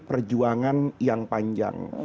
perjuangan yang panjang